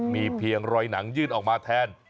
มีเพียงรอยหนังยื่นออกมาแทน